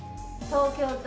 東京都